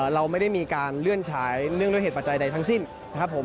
เราไม่ได้มีการเลื่อนฉายเนื่องด้วยเหตุปัจจัยใดทั้งสิ้นนะครับผม